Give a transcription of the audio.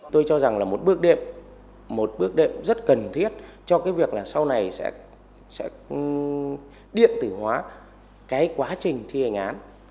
tôi cho rằng là một bước đệm một bước đệm rất cần thiết cho cái việc là sau này sẽ điện tử hóa cái quá trình thi hành án